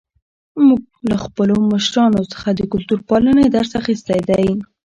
موږ له خپلو مشرانو څخه د کلتور پالنې درس اخیستی دی.